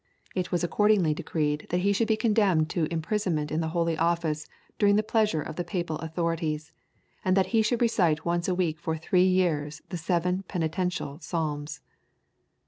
It was accordingly decreed that he should be condemned to imprisonment in the Holy Office during the pleasure of the Papal authorities, and that he should recite once a week for three years the seven Penitential Psalms.